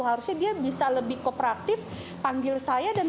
harusnya dia bisa lebih kooperatif panggil saya dan